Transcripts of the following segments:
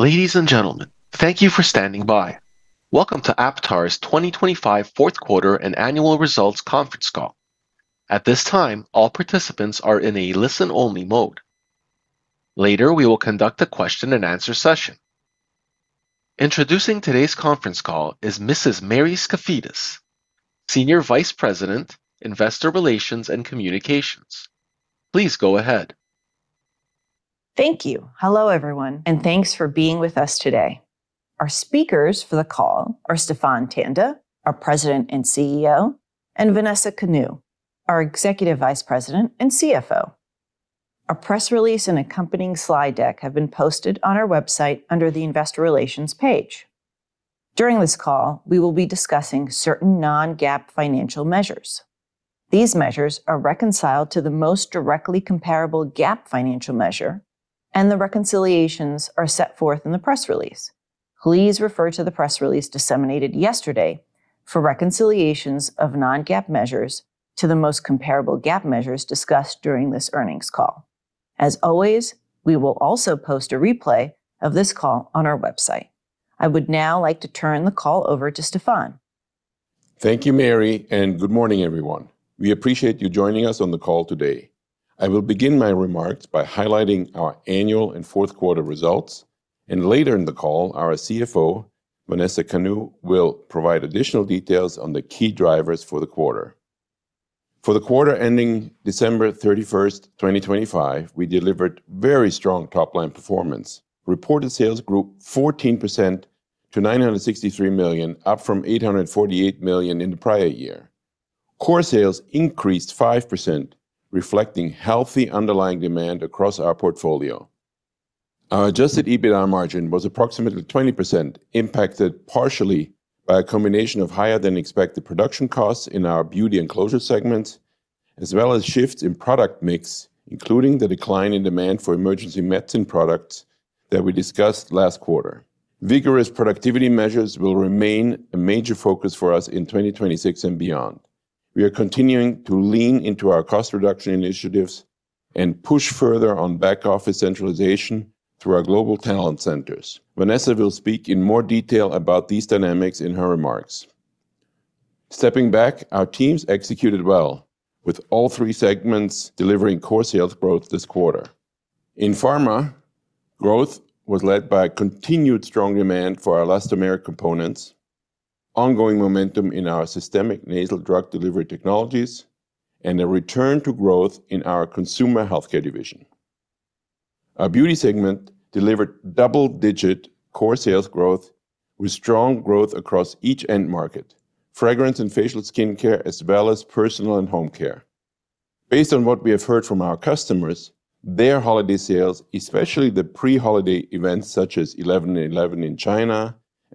Ladies and gentlemen, thank you for standing by. Welcome to Aptar's 2025 fourth-quarter and annual results conference call. At this time, all participants are in a listen-only mode. Later we will conduct a question-and-answer session. Introducing today's conference call is Mrs. Mary Skafidas, Senior Vice President, Investor Relations and Communications. Please go ahead. Thank you. Hello everyone, and thanks for being with us today. Our speakers for the call are Stephan Tanda, our President and CEO, and Vanessa Kanu, our Executive Vice President and CFO. A press release and accompanying slide deck have been posted on our website under the Investor Relations page. During this call, we will be discussing certain non-GAAP financial measures. These measures are reconciled to the most directly comparable GAAP financial measure, and the reconciliations are set forth in the press release. Please refer to the press release disseminated yesterday for reconciliations of non-GAAP measures to the most comparable GAAP measures discussed during this earnings call. As always, we will also post a replay of this call on our website. I would now like to turn the call over to Stephan. Thank you, Mary, and good morning everyone. We appreciate you joining us on the call today. I will begin my remarks by highlighting our annual and fourth-quarter results, and later in the call our CFO, Vanessa Kanu, will provide additional details on the key drivers for the quarter. For the quarter ending December 31, 2025, we delivered very strong top-line performance, reported sales grew 14% to $963 million, up from $848 million in the prior year. Core sales increased 5%, reflecting healthy underlying demand across our portfolio. Our adjusted EBITDA margin was approximately 20%, impacted partially by a combination of higher-than-expected production costs in our beauty enclosure segments, as well as shifts in product mix, including the decline in demand for emergency medicine products that we discussed last quarter. Vigorous productivity measures will remain a major focus for us in 2026 and beyond. We are continuing to lean into our cost reduction initiatives and push further on back-office centralization through our global talent centers. Vanessa will speak in more detail about these dynamics in her remarks. Stepping back, our teams executed well, with all three segments delivering core sales growth this quarter. In pharma, growth was led by continued strong demand for our elastomeric components, ongoing momentum in our systemic nasal drug delivery technologies, and a return to growth in our consumer healthcare division. Our beauty segment delivered double-digit core sales growth, with strong growth across each end market: fragrance and facial skincare, as well as personal and home care. Based on what we have heard from our customers, their holiday sales, especially the pre-holiday events such as 11/11 in China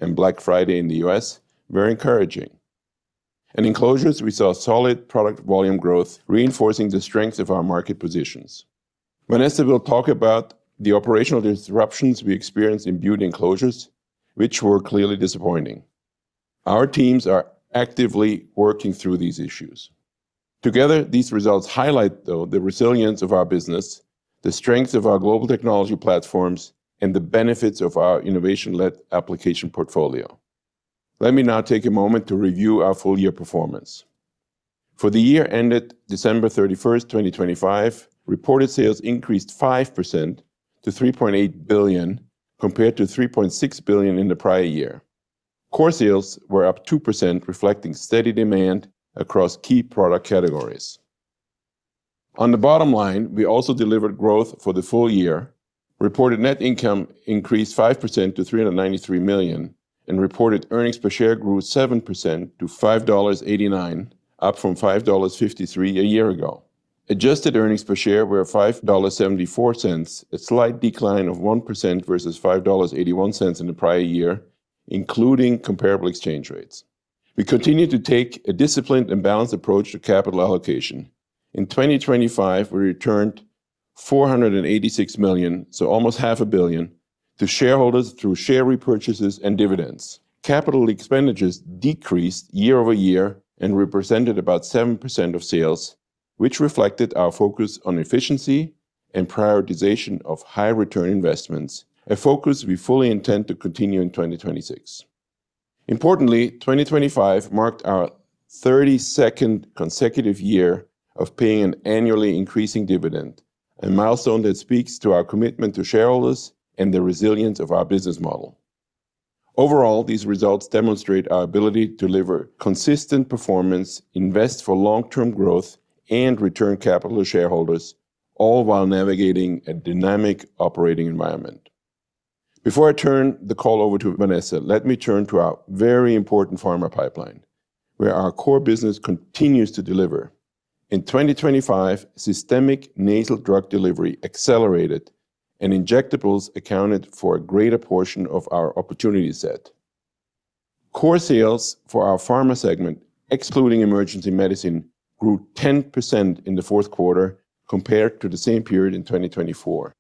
and Black Friday in the U.S., were encouraging. In enclosures, we saw solid product volume growth, reinforcing the strength of our market positions. Vanessa will talk about the operational disruptions we experienced in beauty enclosures, which were clearly disappointing. Our teams are actively working through these issues. Together, these results highlight, though, the resilience of our business, the strengths of our global technology platforms, and the benefits of our innovation-led application portfolio. Let me now take a moment to review our full-year performance. For the year ended December 31, 2025, reported sales increased 5% to $3.8 billion, compared to $3.6 billion in the prior year. Core sales were up 2%, reflecting steady demand across key product categories. On the bottom line, we also delivered growth for the full-year. Reported net income increased 5% to $393 million, and reported earnings per share grew 7% to $5.89, up from $5.53 a year ago. Adjusted earnings per share were $5.74, a slight decline of 1% versus $5.81 in the prior year, including comparable exchange rates. We continue to take a disciplined and balanced approach to capital allocation. In 2025, we returned $486 million, so almost half a billion, to shareholders through share repurchases and dividends. Capital expenditures decreased year-over-year and represented about 7% of sales, which reflected our focus on efficiency and prioritization of high-return investments, a focus we fully intend to continue in 2026. Importantly, 2025 marked our 32nd consecutive year of paying an annually increasing dividend, a milestone that speaks to our commitment to shareholders and the resilience of our business model. Overall, these results demonstrate our ability to deliver consistent performance, invest for long-term growth, and return capital to shareholders, all while navigating a dynamic operating environment. Before I turn the call over to Vanessa, let me turn to our very important pharma pipeline, where our core business continues to deliver. In 2025, systemic nasal drug delivery accelerated, and injectables accounted for a greater portion of our opportunity set. Core sales for our pharma segment, excluding emergency medicine, grew 10% in the fourth quarter, compared to the same period in 2024.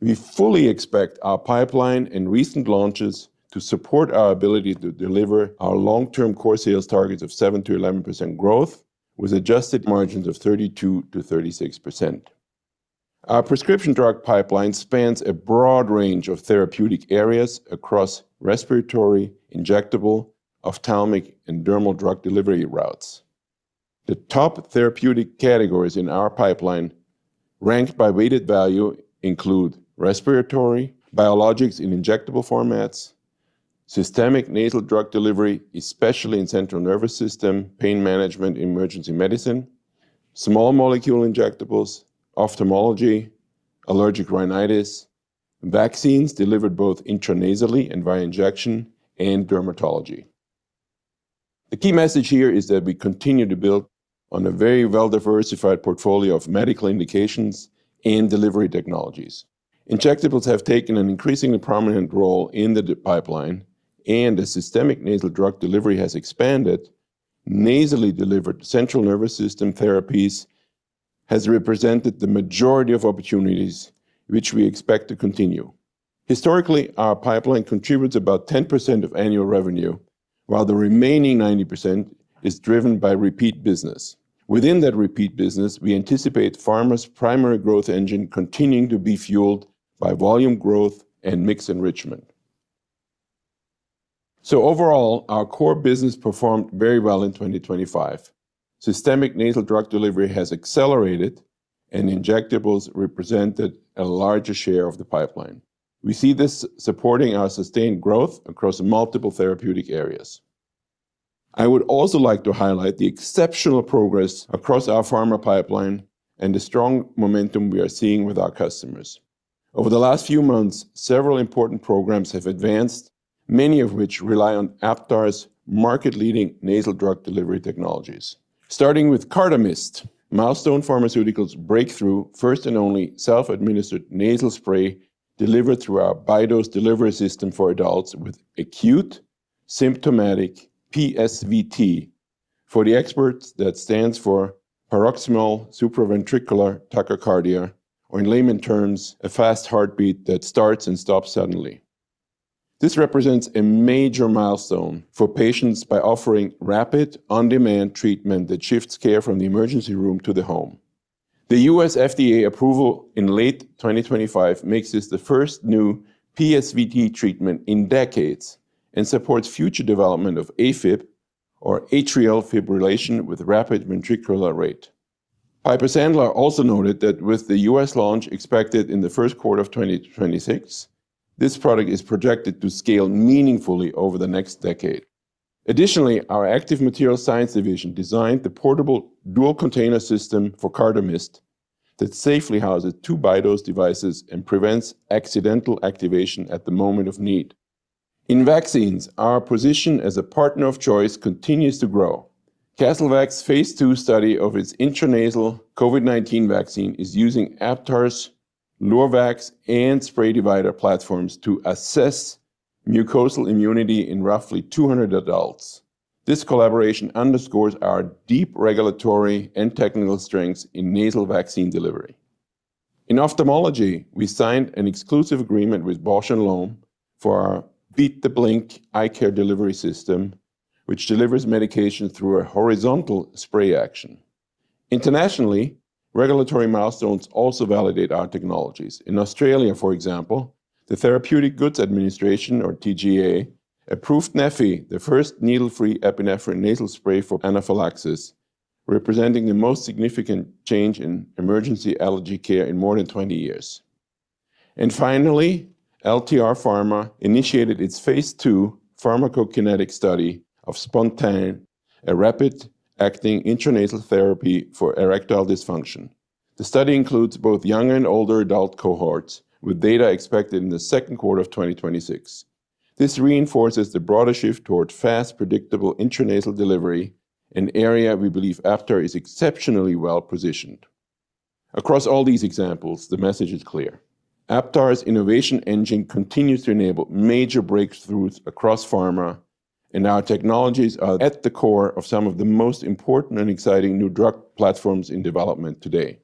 We fully expect our pipeline and recent launches to support our ability to deliver our long-term core sales targets of 7%-11% growth, with adjusted margins of 32%-36%. Our prescription drug pipeline spans a broad range of therapeutic areas across respiratory, injectable, ophthalmic, and dermal drug delivery routes. The top therapeutic categories in our pipeline, ranked by weighted value, include respiratory, biologics in injectable formats, systemic nasal drug delivery, especially in central nervous system, pain management, emergency medicine, small molecule injectables, ophthalmology, allergic rhinitis, vaccines delivered both intranasally and via injection, and dermatology. The key message here is that we continue to build on a very well-diversified portfolio of medical indications and delivery technologies. Injectables have taken an increasingly prominent role in the pipeline, and as systemic nasal drug delivery has expanded, nasally delivered to central nervous system therapies has represented the majority of opportunities, which we expect to continue. Historically, our pipeline contributes about 10% of annual revenue, while the remaining 90% is driven by repeat business. Within that repeat business, we anticipate pharma's primary growth engine continuing to be fueled by volume growth and mix enrichment. Overall, our core business performed very well in 2025. Systemic nasal drug delivery has accelerated, and injectables represented a larger share of the pipeline. We see this supporting our sustained growth across multiple therapeutic areas. I would also like to highlight the exceptional progress across our pharma pipeline and the strong momentum we are seeing with our customers. Over the last few months, several important programs have advanced, many of which rely on Aptar's market-leading nasal drug delivery technologies. Starting with CARDAMYST, Milestone Pharmaceuticals' breakthrough first and only self-administered nasal spray delivered through our Bidose delivery system for adults with acute symptomatic PSVT, for the experts that stands for paroxysmal supraventricular tachycardia, or in layman's terms, a fast heartbeat that starts and stops suddenly. This represents a major milestone for patients by offering rapid, on-demand treatment that shifts care from the emergency room to the home. The U.S. FDA approval in late 2025 makes this the first new PSVT treatment in decades and supports future development of AFib, or atrial fibrillation with rapid ventricular rate. Piper Sandler also noted that with the U.S. launch expected in the first quarter of 2026, this product is projected to scale meaningfully over the next decade. Additionally, our Active Material Science division designed the portable dual-container system for CARDAMYST that safely houses two Bidose devices and prevents accidental activation at the moment of need. In vaccines, our position as a partner of choice continues to grow. CastleVax phase 2 study of its intranasal COVID-19 vaccine is using Aptar's LuerVax and Spray Divider platforms to assess mucosal immunity in roughly 200 adults. This collaboration underscores our deep regulatory and technical strengths in nasal vaccine delivery. In ophthalmology, we signed an exclusive agreement with Bausch + Lomb for our Beat the Blink eye-care delivery system, which delivers medication through a horizontal spray action. Internationally, regulatory milestones also validate our technologies. In Australia, for example, the Therapeutic Goods Administration, or TGA, approved neffy, the first needle-free epinephrine nasal spray for anaphylaxis, representing the most significant change in emergency allergy care in more than 20 years. And finally, LTR Pharma initiated its phase II pharmacokinetic study of SPONTAN, a rapid-acting intranasal therapy for erectile dysfunction. The study includes both younger and older adult cohorts, with data expected in the second quarter of 2026. This reinforces the broader shift toward fast, predictable intranasal delivery, an area we believe Aptar is exceptionally well-positioned. Across all these examples, the message is clear: Aptar's innovation engine continues to enable major breakthroughs across pharma, and our technologies are at the core of some of the most important and exciting new drug platforms in development today.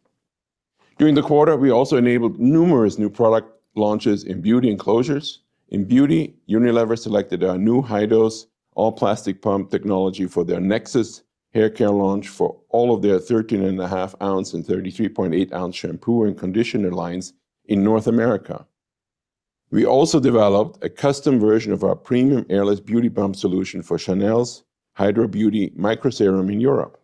During the quarter, we also enabled numerous new product launches in beauty enclosures. In beauty, Unilever selected our new high-dose, all-plastic pump technology for their Nexxus hair care launch for all of their 13.5-oz and 33.8-oz shampoo and conditioner lines in North America. We also developed a custom version of our premium airless beauty pump solution for Chanel's Hydra Beauty Micro Sérum in Europe.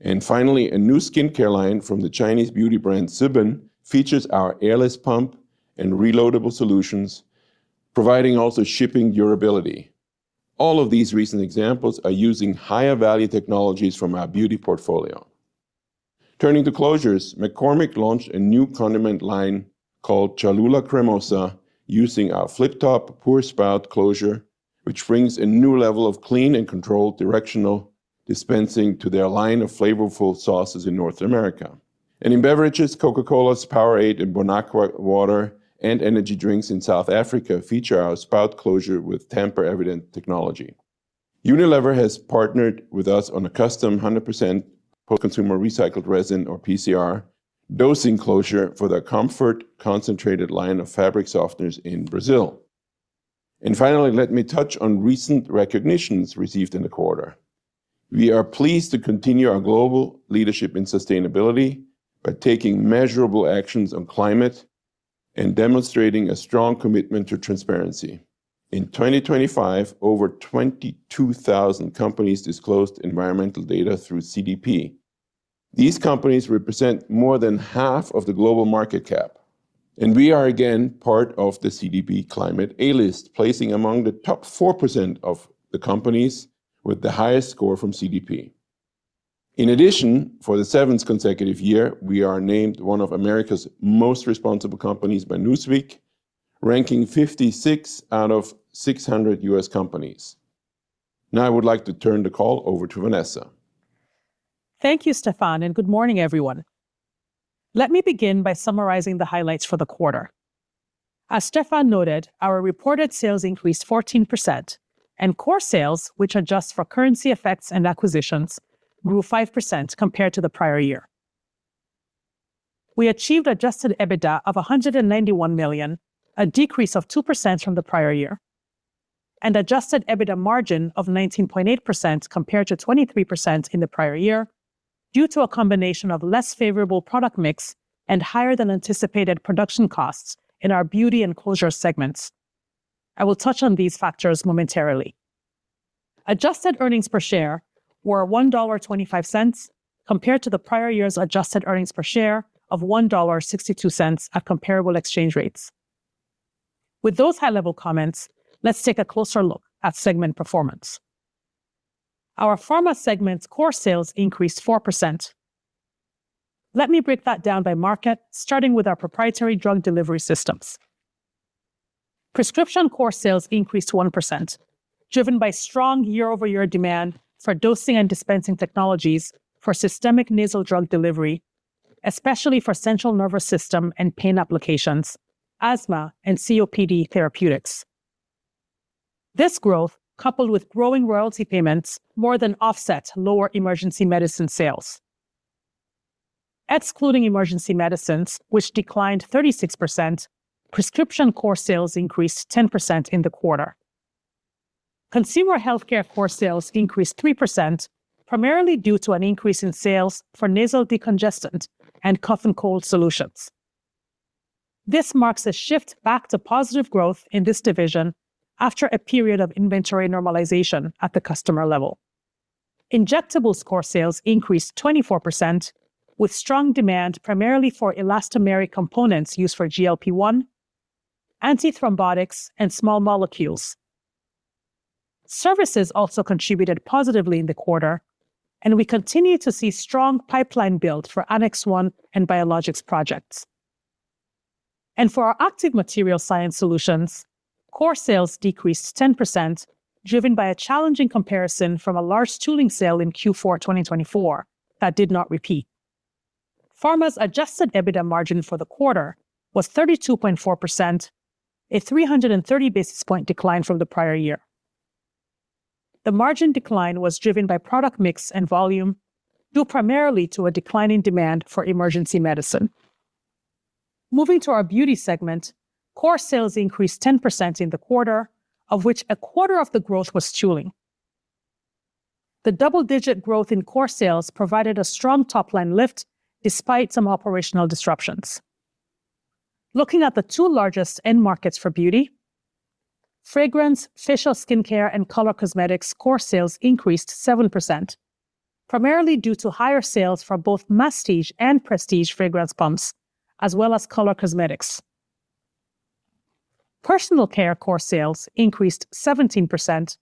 And finally, a new skincare line from the Chinese beauty brand Zhiben features our airless pump and reloadable solutions, providing also shipping durability. All of these recent examples are using higher-value technologies from our beauty portfolio. Turning to closures, McCormick launched a new condiment line called Cholula Cremosa using our flip-top, pour-spout closure, which brings a new level of clean and controlled directional dispensing to their line of flavorful sauces in North America. And in beverages, Coca-Cola's Powerade and Bonaqua water, and energy drinks in South Africa feature our spout closure with tamper-evident technology. Unilever has partnered with us on a custom 100% post-consumer recycled resin, or PCR, dosing closure for their Comfort concentrated line of fabric softeners in Brazil. And finally, let me touch on recent recognitions received in the quarter. We are pleased to continue our global leadership in sustainability by taking measurable actions on climate and demonstrating a strong commitment to transparency. In 2025, over 22,000 companies disclosed environmental data through CDP. These companies represent more than half of the global market cap. We are again part of the CDP Climate A-list, placing among the top 4% of the companies with the highest score from CDP. In addition, for the seventh consecutive year, we are named one of America's most responsible companies by Newsweek, ranking 56 out of 600 U.S. companies. Now I would like to turn the call over to Vanessa. Thank you, Stephan, and good morning, everyone. Let me begin by summarizing the highlights for the quarter. As Stephan noted, our reported sales increased 14%, and core sales, which adjust for currency effects and acquisitions, grew 5% compared to the prior year. We achieved adjusted EBITDA of $191 million, a decrease of 2% from the prior year, and adjusted EBITDA margin of 19.8% compared to 23% in the prior year due to a combination of less favorable product mix and higher-than-anticipated production costs in our beauty enclosure segments. I will touch on these factors momentarily. Adjusted earnings per share were $1.25 compared to the prior year's adjusted earnings per share of $1.62 at comparable exchange rates. With those high-level comments, let's take a closer look at segment performance. Our pharma segment's core sales increased 4%. Let me break that down by market, starting with our proprietary drug delivery systems. Prescription core sales increased 1%, driven by strong year-over-year demand for dosing and dispensing technologies for systemic nasal drug delivery, especially for central nervous system and pain applications, asthma, and COPD therapeutics. This growth, coupled with growing royalty payments, more than offset lower emergency medicine sales. Excluding emergency medicines, which declined 36%, prescription core sales increased 10% in the quarter. Consumer healthcare core sales increased 3%, primarily due to an increase in sales for nasal decongestant and cough and cold solutions. This marks a shift back to positive growth in this division after a period of inventory normalization at the customer level. Injectables core sales increased 24%, with strong demand primarily for elastomeric components used for GLP-1, antithrombotics, and small molecules. Services also contributed positively in the quarter, and we continue to see strong pipeline build for Annex 1 and biologics projects. For our Active Materials Science solutions, core sales decreased 10%, driven by a challenging comparison from a large tooling sale in Q4 2024 that did not repeat. Pharma's adjusted EBITDA margin for the quarter was 32.4%, a 330 basis point decline from the prior year. The margin decline was driven by product mix and volume, due primarily to a declining demand for emergency medicine. Moving to our beauty segment, core sales increased 10% in the quarter, of which a quarter of the growth was tooling. The double-digit growth in core sales provided a strong top-line lift despite some operational disruptions. Looking at the two largest end markets for beauty: fragrance, facial skincare, and color cosmetics, core sales increased 7%, primarily due to higher sales for both Masstige and Prestige fragrance pumps, as well as color cosmetics. Personal care core sales increased 17%,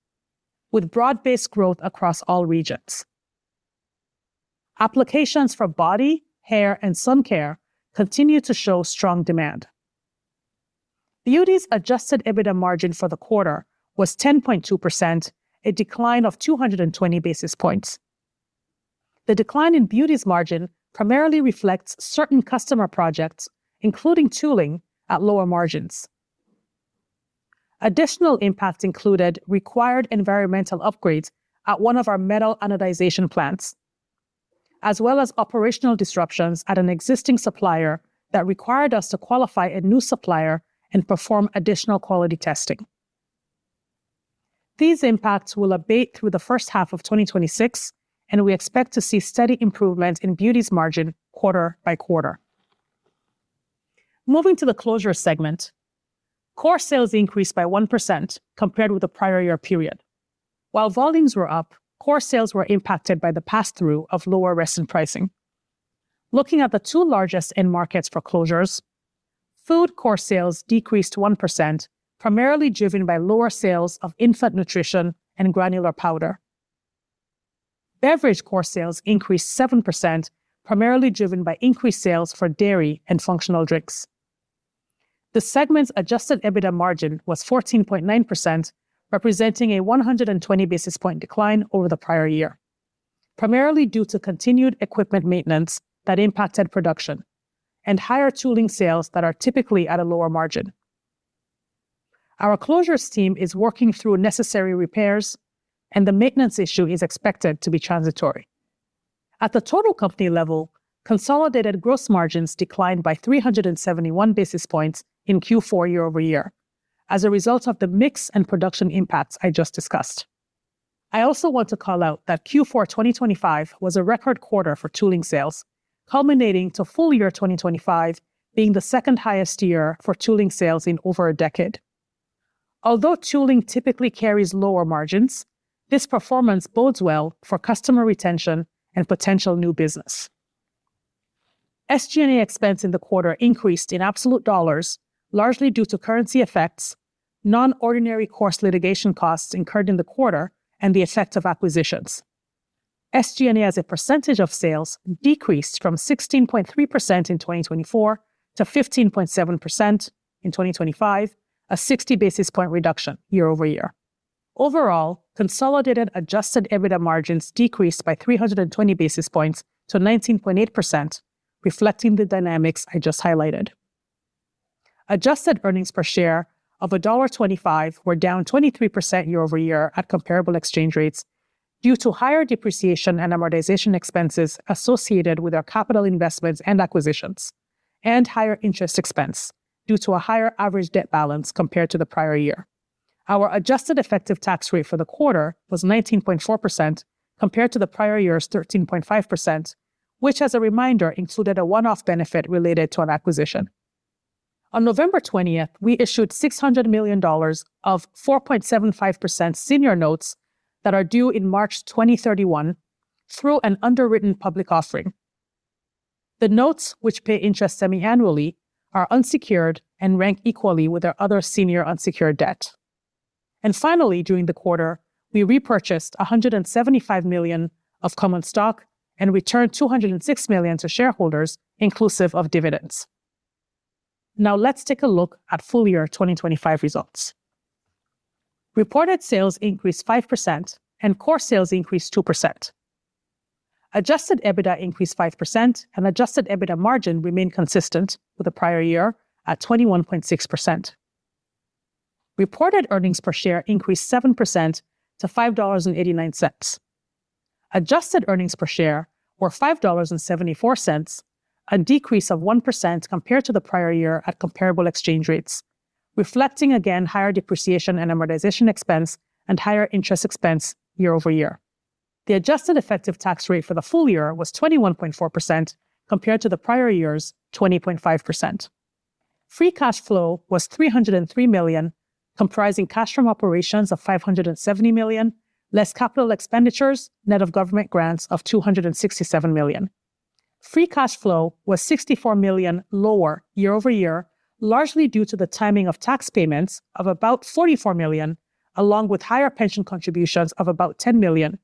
with broad-based growth across all regions. Applications for body, hair, and sun care continue to show strong demand. Beauty's adjusted EBITDA margin for the quarter was 10.2%, a decline of 220 basis points. The decline in beauty's margin primarily reflects certain customer projects, including tooling, at lower margins. Additional impact included required environmental upgrades at one of our metal anodization plants, as well as operational disruptions at an existing supplier that required us to qualify a new supplier and perform additional quality testing. These impacts will abate through the H1 of 2026, and we expect to see steady improvements in beauty's margin quarter by quarter. Moving to the closure segment, core sales increased by 1% compared with the prior year period. While volumes were up, core sales were impacted by the pass-through of lower resin pricing. Looking at the two largest end markets for closures: food core sales decreased 1%, primarily driven by lower sales of infant nutrition and granular powder. Beverage core sales increased 7%, primarily driven by increased sales for dairy and functional drinks. The segment's adjusted EBITDA margin was 14.9%, representing a 120 basis point decline over the prior year, primarily due to continued equipment maintenance that impacted production and higher tooling sales that are typically at a lower margin. Our closures team is working through necessary repairs, and the maintenance issue is expected to be transitory. At the total company level, consolidated gross margins declined by 371 basis points in Q4 year-over-year as a result of the mix and production impacts I just discussed. I also want to call out that Q4 2025 was a record quarter for tooling sales, culminating to full year 2025 being the second-highest year for tooling sales in over a decade. Although tooling typically carries lower margins, this performance bodes well for customer retention and potential new business. SG&A expense in the quarter increased in absolute dollars, largely due to currency effects, non-ordinary course litigation costs incurred in the quarter, and the effect of acquisitions. SG&A as a percentage of sales decreased from 16.3% in 2024 to 15.7% in 2025, a 60 basis point reduction year-over-year. Overall, consolidated adjusted EBITDA margins decreased by 320 basis points to 19.8%, reflecting the dynamics I just highlighted. Adjusted earnings per share of $1.25 were down 23% year-over-year at comparable exchange rates due to higher depreciation and amortization expenses associated with our capital investments and acquisitions, and higher interest expense due to a higher average debt balance compared to the prior year. Our adjusted effective tax rate for the quarter was 19.4% compared to the prior year's 13.5%, which, as a reminder, included a one-off benefit related to an acquisition. On November 20, we issued $600 million of 4.75% senior notes that are due in March 2031 through an underwritten public offering. The notes, which pay interest semi-annually, are unsecured and rank equally with our other senior unsecured debt. And finally, during the quarter, we repurchased $175 million of common stock and returned $206 million to shareholders, inclusive of dividends. Now let's take a look at full year 2025 results. Reported sales increased 5%, and core sales increased 2%. Adjusted EBITDA increased 5%, and adjusted EBITDA margin remained consistent with the prior year at 21.6%. Reported earnings per share increased 7% to $5.89. Adjusted earnings per share were $5.74, a decrease of 1% compared to the prior year at comparable exchange rates, reflecting again higher depreciation and amortization expense and higher interest expense year-over-year. The adjusted effective tax rate for the full-year was 21.4% compared to the prior year's 20.5%. Free cash flow was $303 million, comprising cash from operations of $570 million, less capital expenditures net of government grants of $267 million. Free cash flow was $64 million lower year-over-year, largely due to the timing of tax payments of about $44 million, along with higher pension contributions of about $10 million,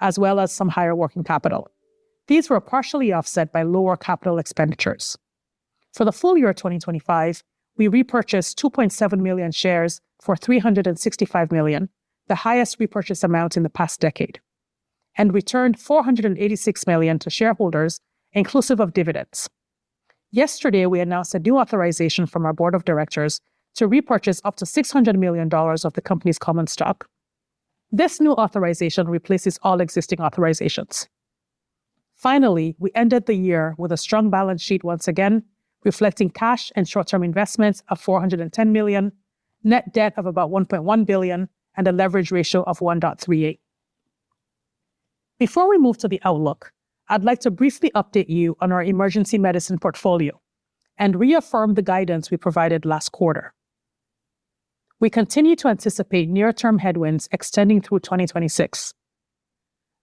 as well as some higher working capital. These were partially offset by lower capital expenditures. For the full-year 2025, we repurchased 2.7 million shares for $365 million, the highest repurchase amount in the past decade, and returned $486 million to shareholders, inclusive of dividends. Yesterday, we announced a new authorization from our board of directors to repurchase up to $600 million of the company's common stock. This new authorization replaces all existing authorizations. Finally, we ended the year with a strong balance sheet once again, reflecting cash and short-term investments of $410 million, net debt of about $1.1 billion, and a leverage ratio of 1.38. Before we move to the outlook, I'd like to briefly update you on our emergency medicine portfolio and reaffirm the guidance we provided last quarter. We continue to anticipate near-term headwinds extending through 2026.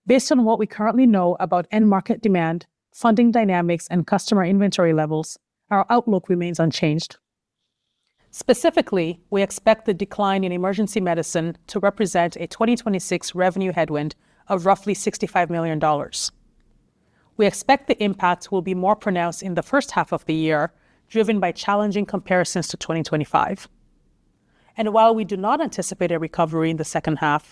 Based on what we currently know about end-market demand, funding dynamics, and customer inventory levels, our outlook remains unchanged. Specifically, we expect the decline in emergency medicine to represent a 2026 revenue headwind of roughly $65 million. We expect the impact will be more pronounced in the H1 of the year, driven by challenging comparisons to 2025. While we do not anticipate a recovery in the H2,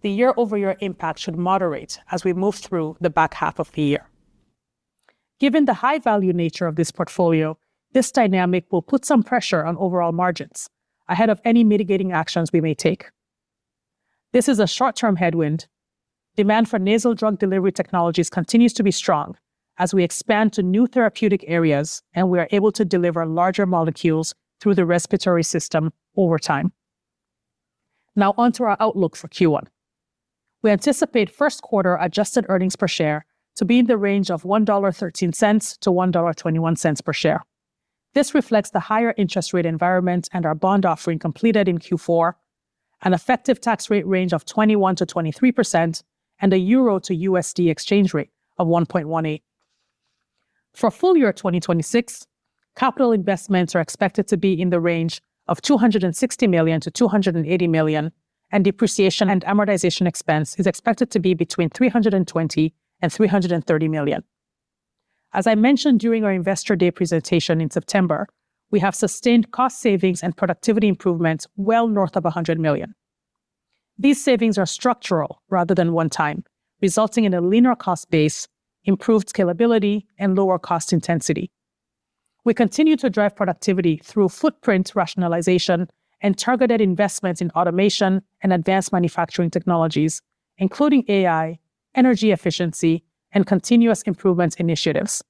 the year-over-year impact should moderate as we move through the back half of the year. Given the high-value nature of this portfolio, this dynamic will put some pressure on overall margins ahead of any mitigating actions we may take. This is a short-term headwind. Demand for nasal drug delivery technologies continues to be strong as we expand to new therapeutic areas, and we are able to deliver larger molecules through the respiratory system over time. Now onto our outlook for Q1. We anticipate first-quarter Adjusted earnings per share to be in the range of $1.13-$1.21 per share. This reflects the higher interest rate environment and our bond offering completed in Q4, an effective tax rate range of 21%-23%, and a Euro to USD exchange rate of 1.18. For full year 2026, capital investments are expected to be in the range of $260 million-$280 million, and depreciation and amortization expense is expected to be between $320 million and $330 million. As I mentioned during our Investor Day presentation in September, we have sustained cost savings and productivity improvements well north of $100 million. These savings are structural rather than one-time, resulting in a leaner cost base, improved scalability, and lower cost intensity. We continue to drive productivity through footprint rationalization and targeted investments in automation and advanced manufacturing technologies, including AI, energy efficiency, and continuous improvements initiatives.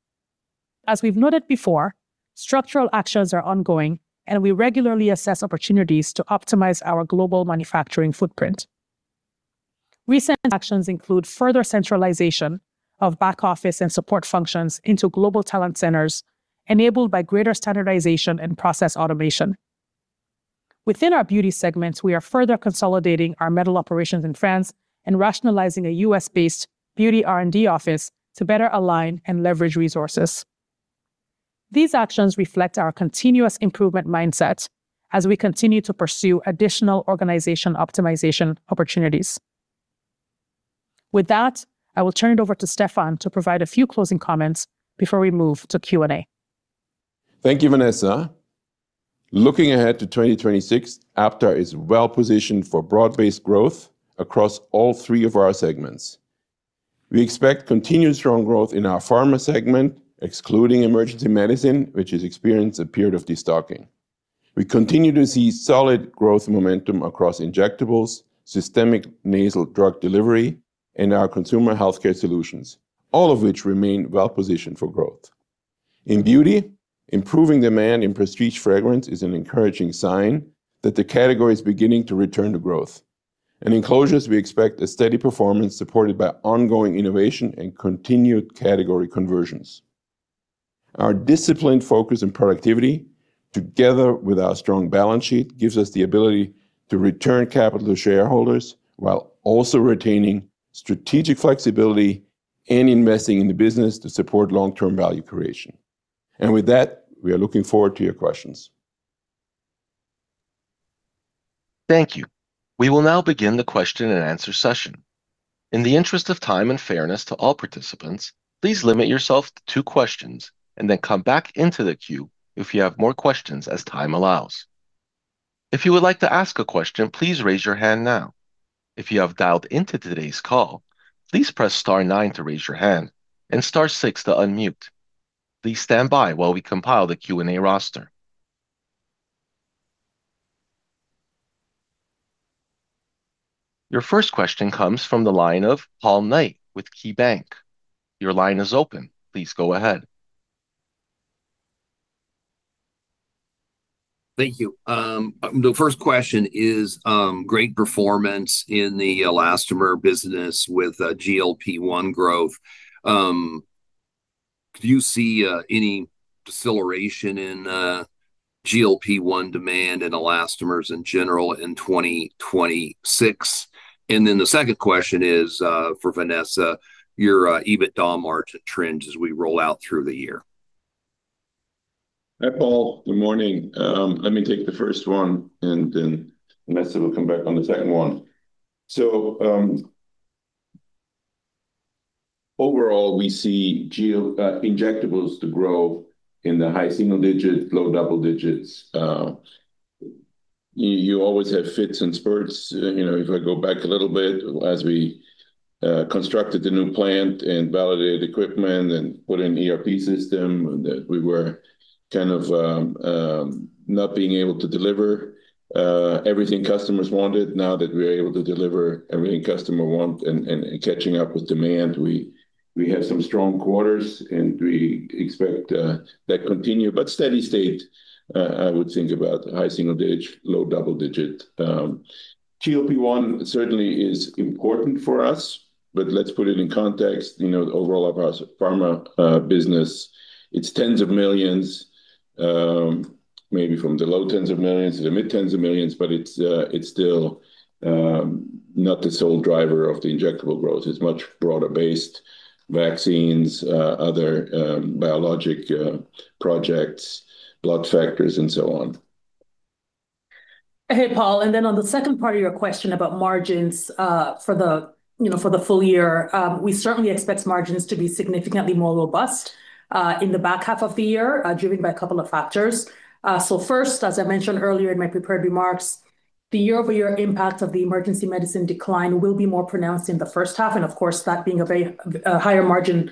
As we've noted before, structural actions are ongoing, and we regularly assess opportunities to optimize our global manufacturing footprint. Recent actions include further centralization of back-office and support functions into global talent centers, enabled by greater standardization and process automation. Within our beauty segments, we are further consolidating our metal operations in France and rationalizing a U.S.-based beauty R&D office to better align and leverage resources. These actions reflect our continuous improvement mindset as we continue to pursue additional organization optimization opportunities. With that, I will turn it over to Stephan to provide a few closing comments before we move to Q&A. Thank you, Vanessa. Looking ahead to 2026, Aptar is well-positioned for broad-based growth across all three of our segments. We expect continued strong growth in our pharma segment, excluding emergency medicine, which has experienced a period of destocking. We continue to see solid growth momentum across injectables, systemic nasal drug delivery, and our consumer healthcare solutions, all of which remain well-positioned for growth. In beauty, improving demand in Prestige fragrance is an encouraging sign that the category is beginning to return to growth, and in closures, we expect a steady performance supported by ongoing innovation and continued category conversions. Our disciplined focus on productivity, together with our strong balance sheet, gives us the ability to return capital to shareholders while also retaining strategic flexibility and investing in the business to support long-term value creation. With that, we are looking forward to your questions. Thank you. We will now begin the question-and-answer session. In the interest of time and fairness to all participants, please limit yourself to 2 questions and then come back into the queue if you have more questions as time allows. If you would like to ask a question, please raise your hand now. If you have dialed into today's call, please press star 9 to raise your hand and star 6 to unmute. Please stand by while we compile the Q&A roster. Your first question comes from the line of Paul Knight with KeyBanc Capital Markets. Your line is open. Please go ahead. Thank you. The first question is, great performance in the elastomer business with GLP-1 growth. Do you see any deceleration in GLP-1 demand in elastomers in general in 2026? And then the second question is for Vanessa, your EBITDA margin trend as we roll out through the year. Hi, Paul. Good morning. Let me take the first one, and then Vanessa will come back on the second one. So overall, we see injectables to grow in the high single digits, low double digits. You always have fits and spurts. If I go back a little bit, as we constructed the new plant and validated equipment and put in an ERP system that we were kind of not being able to deliver everything customers wanted, now that we are able to deliver everything customers want and catching up with demand, we have some strong quarters, and we expect that to continue. But steady state, I would think about high single digits, low double digits. GLP-1 certainly is important for us, but let's put it in context. Overall, our pharma business, it's $10s of millions, maybe from the low $10s of millions to the mid $10s of millions, but it's still not the sole driver of the injectable growth. It's much broader-based: vaccines, other biologic projects, blood factors, and so on. Hey, Paul. And then on the second part of your question about margins for the full year, we certainly expect margins to be significantly more robust in the back half of the year, driven by a couple of factors. So first, as I mentioned earlier in my prepared remarks, the year-over-year impact of the emergency medicine decline will be more pronounced in the H1, and of course, that being a higher margin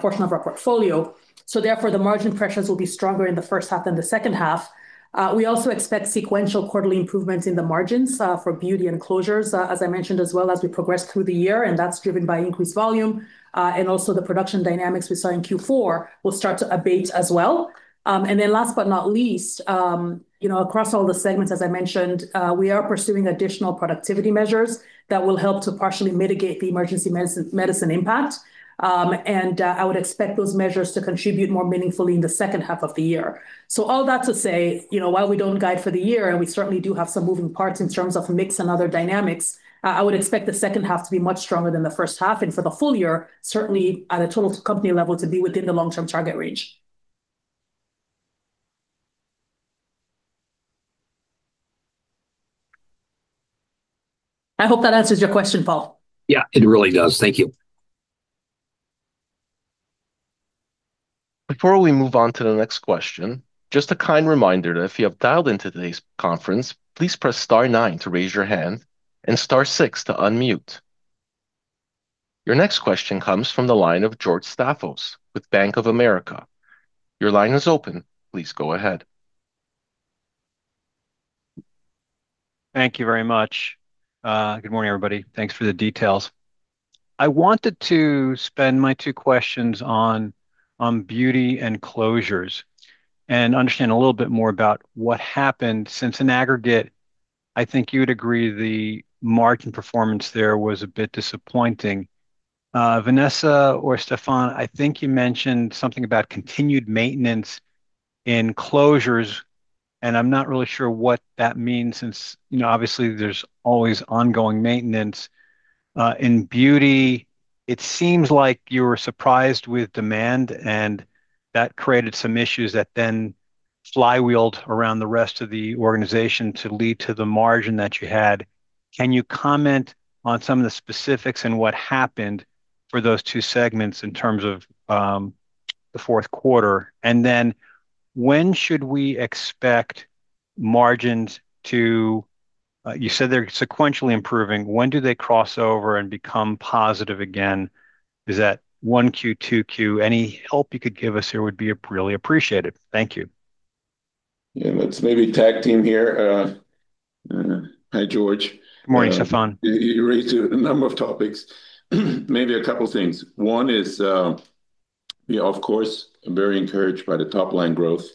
portion of our portfolio. So therefore, the margin pressures will be stronger in the H1 than the H2. We also expect sequential quarterly improvements in the margins for beauty and closures, as I mentioned, as well as we progress through the year, and that's driven by increased volume. And also the production dynamics we saw in Q4 will start to abate as well. And then last but not least, across all the segments, as I mentioned, we are pursuing additional productivity measures that will help to partially mitigate the emergency medicine impact. And I would expect those measures to contribute more meaningfully in the H2 of the year. So all that to say, while we don't guide for the year, and we certainly do have some moving parts in terms of mix and other dynamics, I would expect the H2 to be much stronger than the H1, and for the full-year, certainly at a total company level, to be within the long-term target range. I hope that answers your question, Paul. Yeah, it really does. Thank you. Before we move on to the next question, just a kind reminder that if you have dialed into today's conference, please press star 9 to raise your hand and star 6 to unmute. Your next question comes from the line of George Staphos with Bank of America. Your line is open. Please go ahead. Thank you very much. Good morning, everybody. Thanks for the details. I wanted to spend my 2 questions on beauty and closures and understand a little bit more about what happened since in aggregate, I think you would agree the margin performance there was a bit disappointing. Vanessa or Stephan, I think you mentioned something about continued maintenance in closures, and I'm not really sure what that means since obviously there's always ongoing maintenance. In beauty, it seems like you were surprised with demand, and that created some issues that then flywheeled around the rest of the organization to lead to the margin that you had. Can you comment on some of the specifics and what happened for those two segments in terms of the Q4? And then when should we expect margins to—as you said—they're sequentially improving. When do they cross over and become positive again? Is that 1Q, 2Q? Any help you could give us here would be really appreciated. Thank you. Yeah, let's maybe tag team here. Hi, George. Good morning, Stephan. You raised a number of topics. Maybe a couple of things. One is, of course, very encouraged by the top-line growth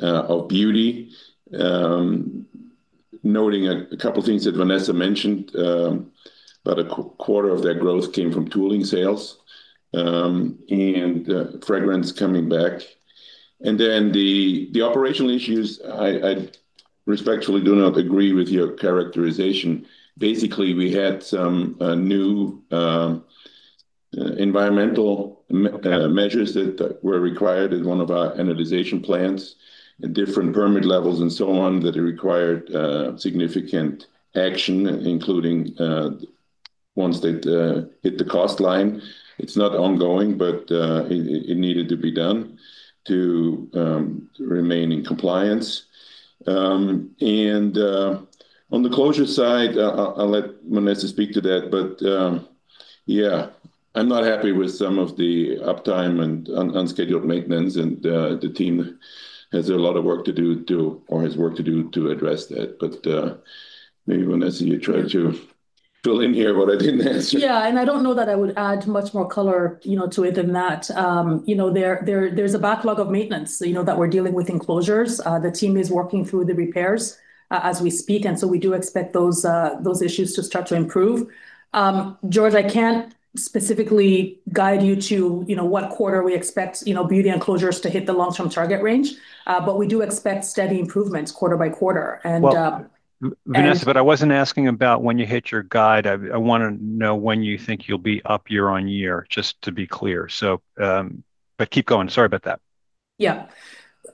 of beauty, noting a couple of things that Vanessa mentioned, about a quarter of their growth came from tooling sales and fragrance coming back. And then the operational issues, I respectfully do not agree with your characterization. Basically, we had some new environmental measures that were required in one of our anodization plants and different permit levels and so on that required significant action, including ones that hit the cost line. It's not ongoing, but it needed to be done to remain in compliance. And on the closure side, I'll let Vanessa speak to that. But yeah, I'm not happy with some of the uptime and unscheduled maintenance, and the team has a lot of work to do or has work to do to address that. But maybe, Vanessa, you try to fill in here what I didn't answer. Yeah, and I don't know that I would add much more color to it than that. There's a backlog of maintenance that we're dealing with in closures. The team is working through the repairs as we speak, and so we do expect those issues to start to improve. George, I can't specifically guide you to what quarter we expect beauty and closures to hit the long-term target range, but we do expect steady improvements quarter by quarter. And Vanessa But I wasn't asking about when you hit your guide. I want to know when you think you'll be up year-on-year, just to be clear. But keep going. Sorry about that. Yeah.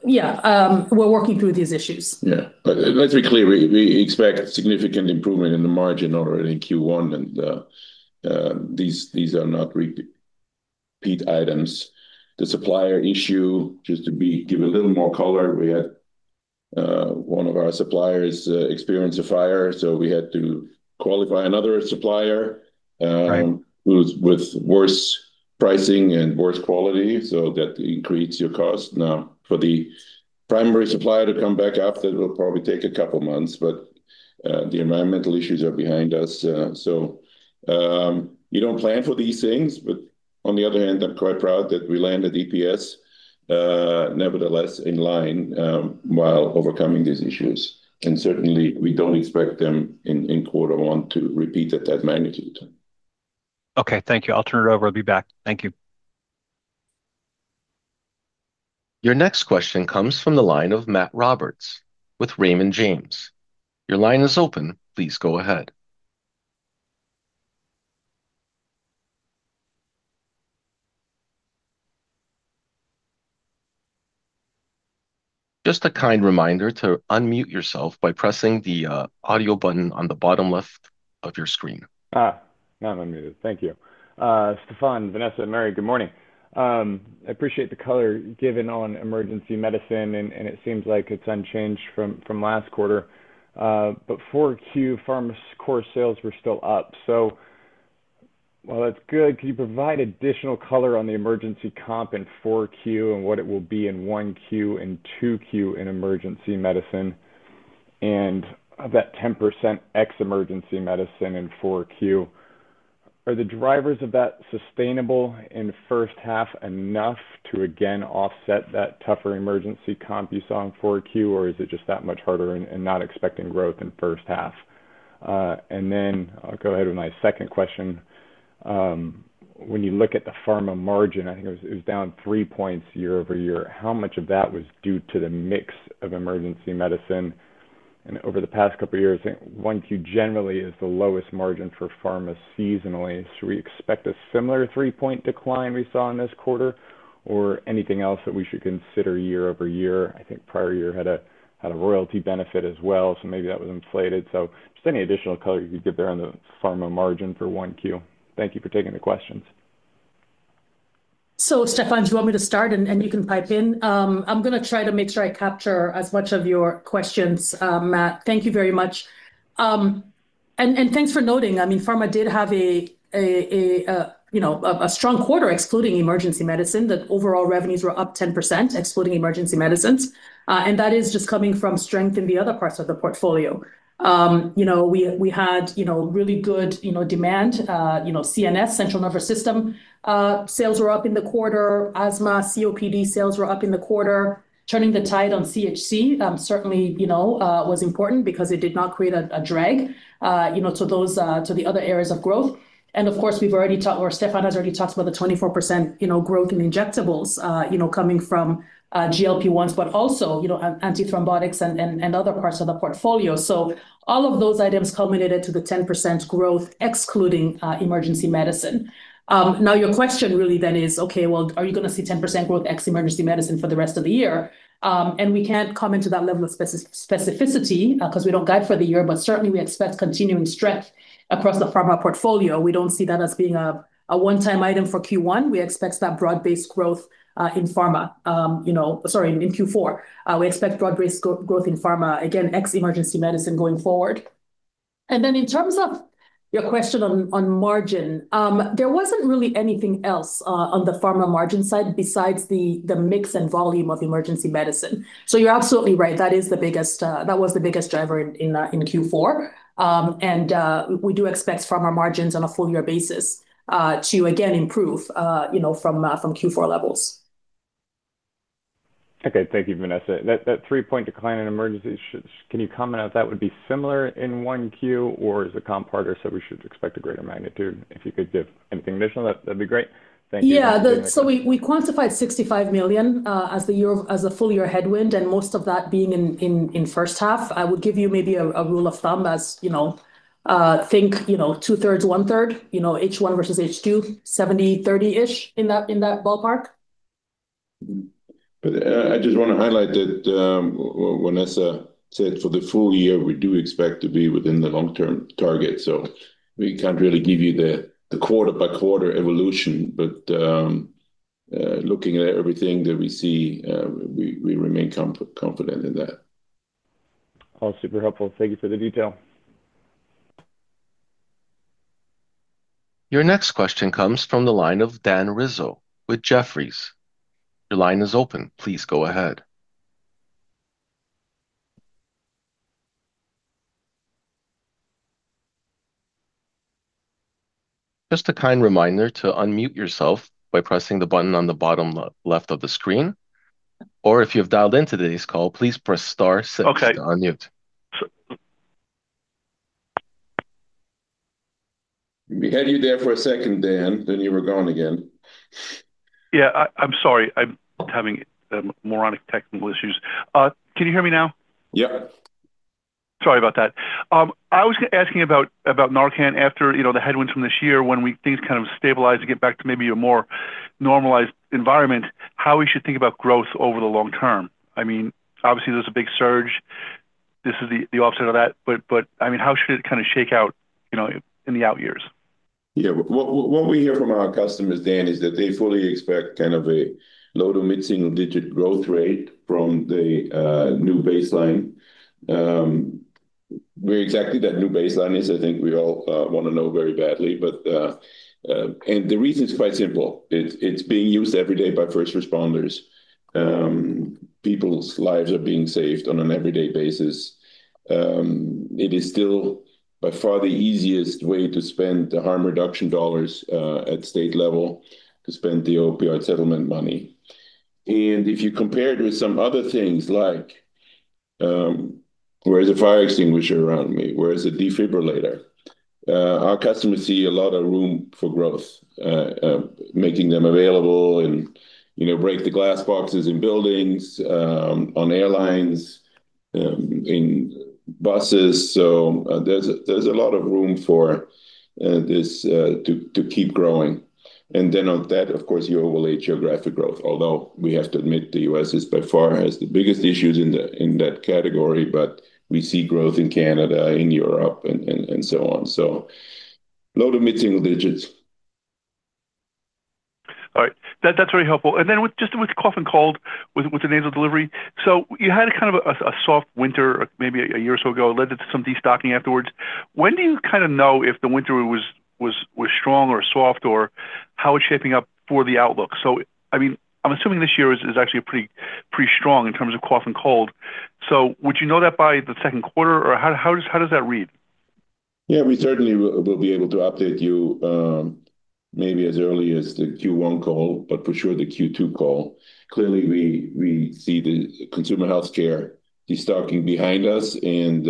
Yeah. We're working through these issues. Yeah. Let's be clear. We expect significant improvement in the margin already in Q1, and these are not repeat items. The supplier issue, just to give a little more color, we had one of our suppliers experience a fire, so we had to qualify another supplier with worse pricing and worse quality so that increases your cost. Now, for the primary supplier to come back after, it will probably take a couple of months, but the environmental issues are behind us. So you don't plan for these things. But on the other hand, I'm quite proud that we landed EPS, nevertheless, in line while overcoming these issues. And certainly, we don't expect them in quarter one to repeat at that magnitude. Okay. Thank you. I'll turn it over. I'll be back. Thank you. Your next question comes from the line of Matt Roberts with Raymond James. Your line is open. Please go ahead. Just a kind reminder to unmute yourself by pressing the audio button on the bottom left of your screen. Now I'm unmuted. Thank you. Stephan, Vanessa, Mary, good morning. I appreciate the color given on emergency medicine, and it seems like it's unchanged from last quarter. But 4Q, pharma core sales were still up. So while that's good, can you provide additional color on the emergency comp in 4Q and what it will be in 1Q and 2Q in emergency medicine and that 10% ex emergency medicine in 4Q? Are the drivers of that sustainable in first half enough to, again, offset that tougher emergency comp you saw in 4Q, or is it just that much harder and not expecting growth in H1? And then I'll go ahead with my second question. When you look at the pharma margin, I think it was down 3 points year-over-year. How much of that was due to the mix of emergency medicine? And over the past couple of years, I think 1Q generally is the lowest margin for pharma seasonally. Should we expect a similar 3-point decline we saw in this quarter, or anything else that we should consider year-over-year? I think prior year had a royalty benefit as well, so maybe that was inflated. So just any additional color you could give there on the pharma margin for Q1. Thank you for taking the questions. So Stephan, do you want me to start, and you can pipe in? I'm going to try to make sure I capture as much of your questions, Matt. Thank you very much. Thanks for noting. I mean, pharma did have a strong quarter excluding emergency medicine. That overall revenues were up 10% excluding emergency medicines. That is just coming from strength in the other parts of the portfolio. We had really good demand. CNS, central nervous system sales were up in the quarter. Asthma, COPD sales were up in the quarter. Turning the tide on CHC certainly was important because it did not create a drag to the other areas of growth. And of course, we've already talked or Stephan has already talked about the 24% growth in injectables coming from GLP-1s, but also antithrombotics and other parts of the portfolio. So all of those items culminated to the 10% growth excluding emergency medicine. Now, your question really then is, okay, well, are you going to see 10% growth X emergency medicine for the rest of the year? And we can't comment to that level of specificity because we don't guide for the year, but certainly, we expect continuing strength across the pharma portfolio. We don't see that as being a one-time item for Q1. We expect that broad-based growth in pharma sorry, in Q4. We expect broad-based growth in pharma, again, ex emergency medicine going forward. Then in terms of your question on margin, there wasn't really anything else on the pharma margin side besides the mix and volume of emergency medicine. So you're absolutely right. That is the biggest that was the biggest driver in Q4. And we do expect pharma margins on a full-year basis to, again, improve from Q4 levels. Okay. Thank you, Vanessa. That 3-point decline in emergencies, can you comment on if that would be similar in Q1, or is the comp harder so we should expect a greater magnitude? If you could give anything additional, that'd be great. Thank you. Yeah. So we quantified $65 million as the full-year headwind, and most of that being in H1. I would give you maybe a rule of thumb: I think 2/3, 1/3, H1 versus H2, 70-30-ish in that ballpark. But I just want to highlight that, Vanessa said, for the full-year, we do expect to be within the long-term target. So we can't really give you the quarter-by-quarter evolution. But looking at everything that we see, we remain confident in that. Oh, super helpful. Thank you for the detail. Your next question comes from the line of Dan Rizzo with Jefferies. Your line is open. Please go ahead. Just a kind reminder to unmute yourself by pressing the button on the bottom left of the screen. Or if you have dialed into today's call, please press star 6 to unmute. Okay. We had you there for a second, Dan. Then you were gone again. Yeah. I'm sorry. I'm having moronic technical issues. Can you hear me now? Yep. Sorry about that. I was asking about Narcan after the headwinds from this year. When things kind of stabilize to get back to maybe a more normalized environment, how we should think about growth over the long term. I mean, obviously, there's a big surge. This is the opposite of that. But I mean, how should it kind of shake out in the out years? Yeah. What we hear from our customers, Dan, is that they fully expect kind of a low to mid-single-digit growth rate from the new baseline. Where exactly that new baseline is, I think we all want to know very badly. And the reason is quite simple. It's being used every day by first responders. People's lives are being saved on an everyday basis. It is still by far the easiest way to spend the harm reduction dollars at state level, to spend the opioid settlement money. And if you compare it with some other things like, "Where's a fire extinguisher around me? Where's a defibrillator?" Our customers see a lot of room for growth, making them available and break the glass boxes in buildings, on airlines, in buses. So there's a lot of room for this to keep growing. And then on that, of course, you overlay geographic growth, although we have to admit the U.S. is by far has the biggest issues in that category, but we see growth in Canada, in Europe, and so on. So low- to mid-single digits. All right. That's very helpful. And then just with cough and cold, with the nasal delivery. So you had kind of a soft winter maybe a year or so ago, led to some destocking afterwards. When do you kind of know if the winter was strong or soft or how it's shaping up for the outlook? So I mean, I'm assuming this year is actually pretty strong in terms of cough and cold. So would you know that by the second quarter, or how does that read? Yeah. We certainly will be able to update you maybe as early as the Q1 call, but for sure the Q2 call. Clearly, we see the consumer healthcare destocking behind us and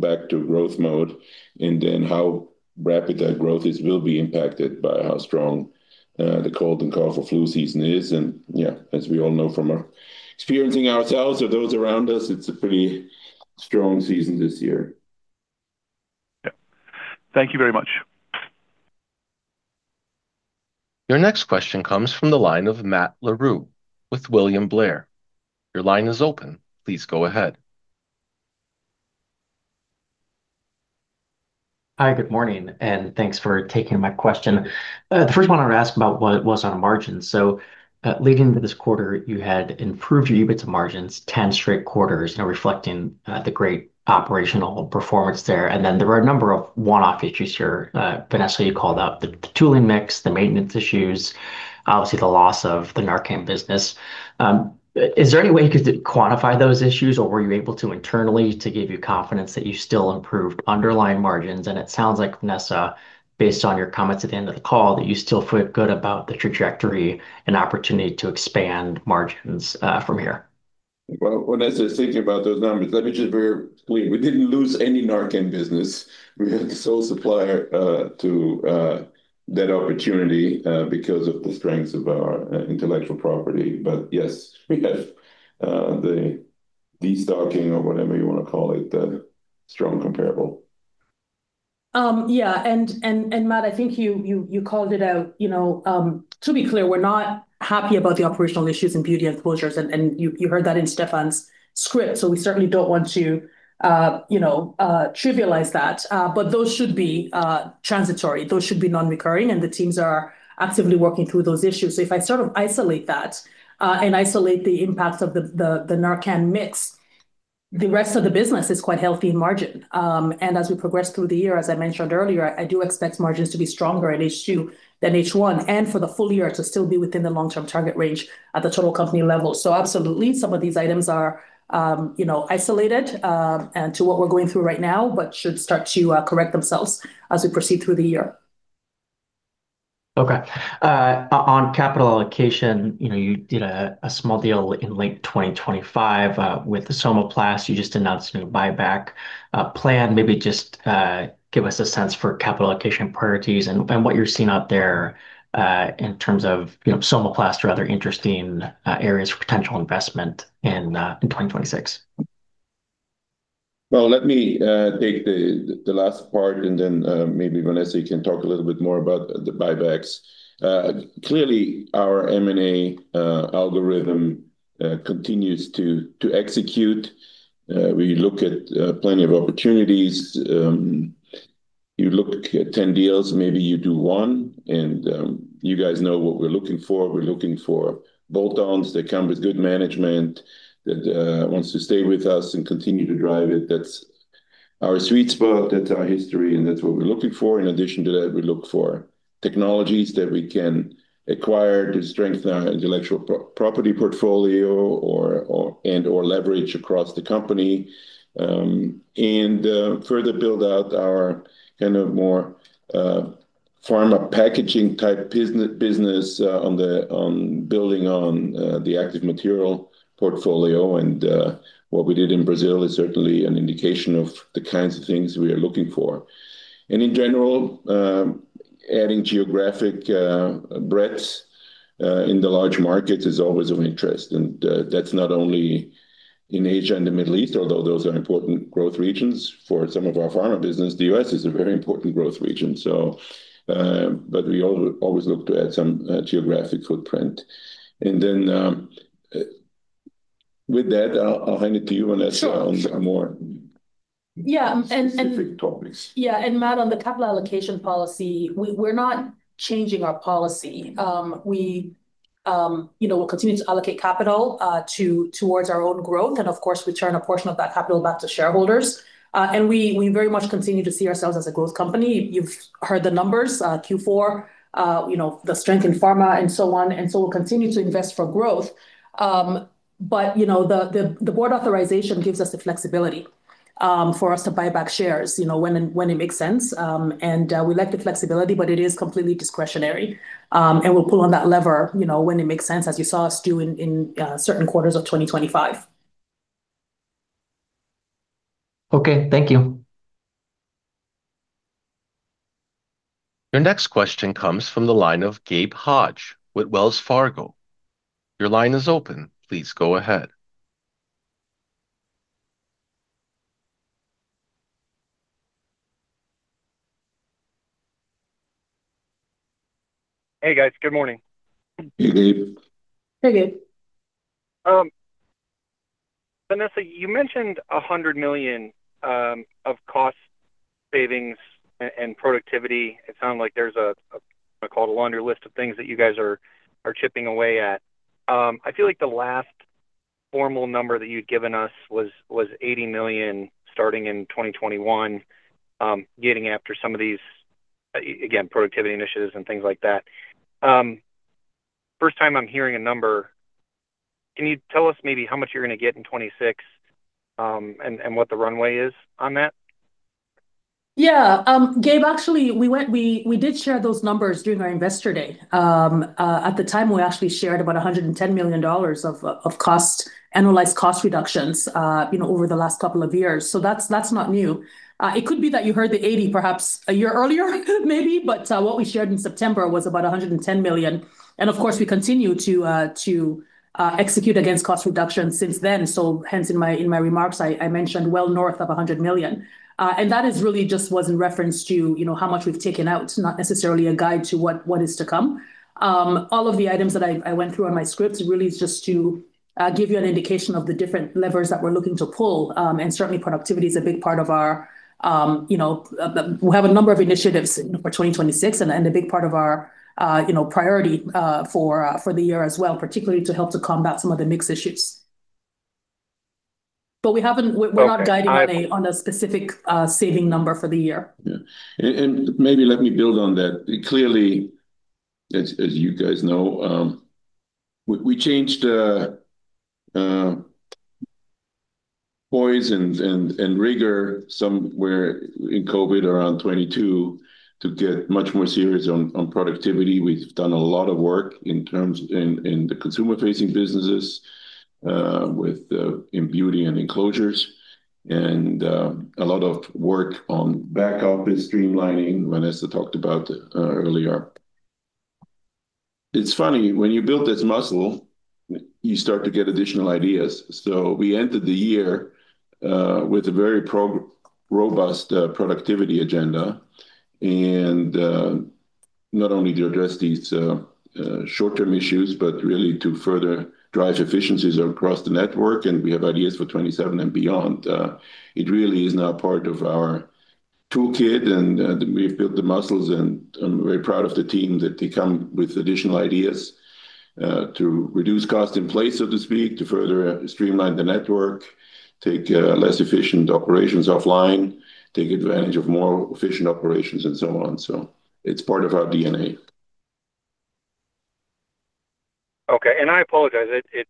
back to growth mode. And then how rapid that growth is will be impacted by how strong the cold and cough or flu season is. And yeah, as we all know from experiencing ourselves or those around us, it's a pretty strong season this year. Yep. Thank you very much. Your next question comes from the line of Matt Larew with William Blair. Your line is open. Please go ahead. Hi. Good morning. And thanks for taking my question. The first one I want to ask about was on margins. So leading into this quarter, you had improved your EBITDA margins, 10 straight quarters, reflecting the great operational performance there. And then there were a number of one-off issues here. Vanessa, you called out the tooling mix, the maintenance issues, obviously, the loss of the Narcan business. Is there any way you could quantify those issues, or were you able to internally to give you confidence that you still improved underlying margins? And it sounds like, Vanessa, based on your comments at the end of the call, that you still feel good about the trajectory and opportunity to expand margins from here. Well, Vanessa, thinking about those numbers, let me just be very clear. We didn't lose any Narcan business. We had the sole supplier to that opportunity because of the strengths of our intellectual property. But yes, we have the destocking or whatever you want to call it, the strong comparable. Yeah. And Matt, I think you called it out. To be clear, we're not happy about the operational issues in beauty and closures. And you heard that in Stephan's script, so we certainly don't want to trivialize that. But those should be transitory. Those should be non-recurring, and the teams are actively working through those issues. So if I sort of isolate that and isolate the impacts of the Narcan mix, the rest of the business is quite healthy in margin. And as we progress through the year, as I mentioned earlier, I do expect margins to be stronger at H2 than H1 and for the full year to still be within the long-term target range at the total company level. So absolutely, some of these items are isolated to what we're going through right now but should start to correct themselves as we proceed through the year. Okay. On capital allocation, you did a small deal in late 2025 with Somaplast. You just announced a new buyback plan. Maybe just give us a sense for capital allocation priorities and what you're seeing out there in terms of Somaplast or other interesting areas for potential investment in 2026. Well, let me take the last part, and then maybe Vanessa can talk a little bit more about the buybacks. Clearly, our M&A algorithm continues to execute. We look at plenty of opportunities. You look at 10 deals, maybe you do one. You guys know what we're looking for. We're looking for bolt-ons that come with good management, that wants to stay with us and continue to drive it. That's our sweet spot. That's our history, and that's what we're looking for. In addition to that, we look for technologies that we can acquire to strengthen our intellectual property portfolio and/or leverage across the company and further build out our kind of more pharma packaging-type business on building on the active material portfolio. What we did in Brazil is certainly an indication of the kinds of things we are looking for. In general, adding geographic breadth in the large markets is always of interest. That's not only in Asia and the Middle East, although those are important growth regions for some of our pharma business. The U.S. is a very important growth region, but we always look to add some geographic footprint. Then with that, I'll hand it to you, Vanessa, on some more specific topics. Yeah. Matt, on the capital allocation policy, we're not changing our policy. We'll continue to allocate capital towards our own growth. Of course, we turn a portion of that capital back to shareholders. We very much continue to see ourselves as a growth company. You've heard the numbers, Q4, the strength in pharma, and so on. So we'll continue to invest for growth. But the board authorization gives us the flexibility for us to buy back shares when it makes sense. We like the flexibility, but it is completely discretionary. We'll pull on that lever when it makes sense, as you saw us do in certain quarters of 2025. Okay. Thank you. Your next question comes from the line of Gabe Hajde with Wells Fargo. Your line is open. Please go ahead. Hey, guys. Good morning. Hey, Gabe. Hey, Gabe. Vanessa, you mentioned $100 million of cost savings and productivity. It sounded like there's a laundry list of things that you guys are chipping away at. I feel like the last formal number that you'd given us was $80 million starting in 2021, getting after some of these, again, productivity initiatives and things like that. First time I'm hearing a number. Can you tell us maybe how much you're going to get in 2026 and what the runway is on that? Yeah. Gabe, actually, we did share those numbers during our investor day. At the time, we actually shared about $110 million of annualized cost reductions over the last couple of years. So that's not new. It could be that you heard the $80 million perhaps a year earlier, maybe, but what we shared in September was about $110 million. Of course, we continue to execute against cost reductions since then. Hence, in my remarks, I mentioned well north of $100 million. And that really just was in reference to how much we've taken out, not necessarily a guide to what is to come. All of the items that I went through on my script really is just to give you an indication of the different levers that we're looking to pull. And certainly, productivity is a big part of our we have a number of initiatives for 2026 and a big part of our priority for the year as well, particularly to help to combat some of the mix issues. But we're not guiding on a specific saving number for the year. Maybe let me build on that. Clearly, as you guys know, we changed focus and rigor somewhere in COVID around 2022 to get much more serious on productivity. We've done a lot of work in the consumer-facing businesses in beauty and closures and a lot of work on back office streamlining, Vanessa talked about earlier. It's funny. When you build this muscle, you start to get additional ideas. So we entered the year with a very robust productivity agenda. And not only to address these short-term issues, but really to further drive efficiencies across the network. And we have ideas for 2027 and beyond. It really is now part of our toolkit. And we've built the muscles. And I'm very proud of the team that they come with additional ideas to reduce cost in place, so to speak, to further streamline the network, take less efficient operations offline, take advantage of more efficient operations, and so on. So it's part of our DNA. Okay. And I apologize. It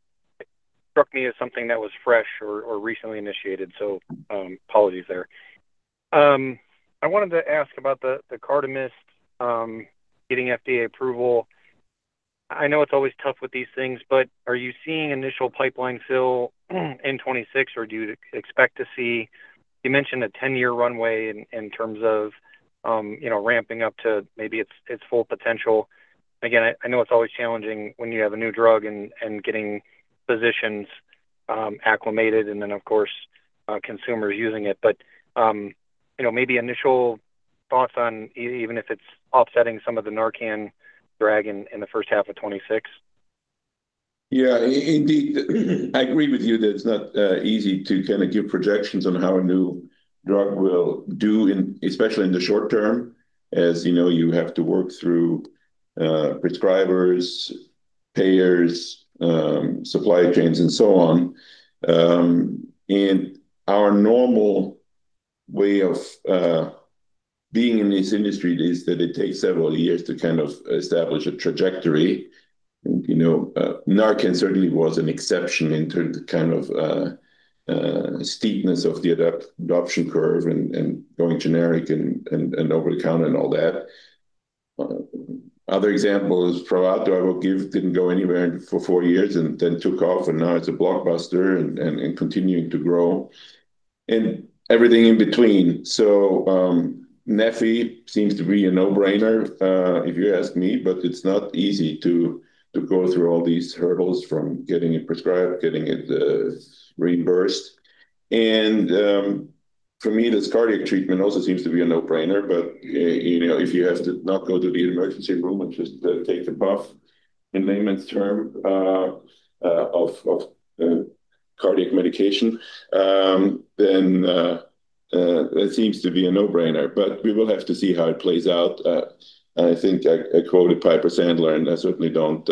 struck me as something that was fresh or recently initiated. So apologies there. I wanted to ask about the CARDAMYST, getting FDA approval. I know it's always tough with these things, but are you seeing initial pipeline fill in 2026, or do you expect to see you mentioned a 10-year runway in terms of ramping up to maybe its full potential. Again, I know it's always challenging when you have a new drug and getting physicians acclimated and then, of course, consumers using it. But maybe initial thoughts on even if it's offsetting some of the Narcan drag in the first half of 2026? Yeah. Indeed, I agree with you that it's not easy to kind of give projections on how a new drug will do, especially in the short term, as you have to work through prescribers, payers, supply chains, and so on. And our normal way of being in this industry is that it takes several years to kind of establish a trajectory. Narcan certainly was an exception in terms of kind of steepness of the adoption curve and going generic and over-the-counter and all that. Other examples, Spravato, I will give, didn't go anywhere for 4 years and then took off, and now it's a blockbuster and continuing to grow and everything in between. So neffy seems to be a no-brainer if you ask me, but it's not easy to go through all these hurdles from getting it prescribed, getting it reimbursed. And for me, this cardiac treatment also seems to be a no-brainer. But if you have to not go to the emergency room and just take the puff, in layman's term, of cardiac medication, then that seems to be a no-brainer. But we will have to see how it plays out. And I think I quoted Piper Sandler, and I certainly don't